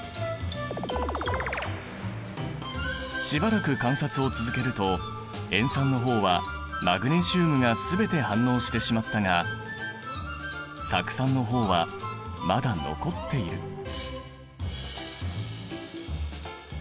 しばらく観察を続けると塩酸の方はマグネシウムが全て反応してしまったが酢酸の方はまだ残っている。